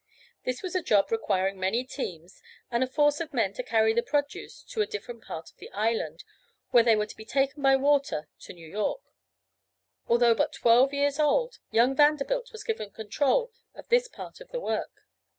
This was a job requiring many teams and a force of men to carry the produce to a different part of the island where they were to be taken by water to New York. Although but twelve years old, young Vanderbilt was given control of this part of the work.